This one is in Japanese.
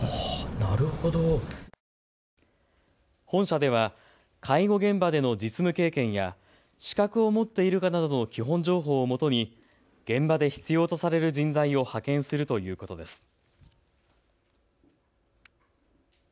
本社では、介護現場での実務経験や資格を持っているかなどの基本情報をもとに現場で必要とされる人材を派遣するということです。